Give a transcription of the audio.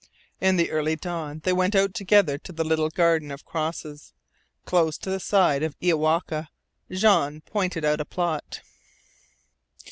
In the early dawn they went out together to the little garden of crosses. Close to the side of Iowaka, Jean pointed out a plot.